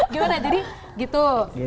gimana jadi gitu